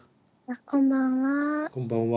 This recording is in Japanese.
こんばんは。